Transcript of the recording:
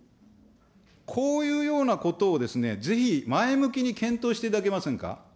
こういうようなことをぜひ前向きに検討していただけませんか。